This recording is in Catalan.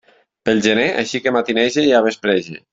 Pel gener així que matineja ja vespreja.